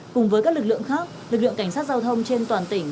cùng với các lực lượng khác lực lượng cảnh sát giao thông trên toàn tỉnh